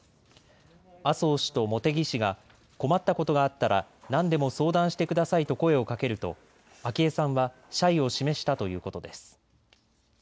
麻生氏と茂木氏が困ったことがあったら何でも相談してくださいと声をかけると昭恵さんは謝意を示したということです。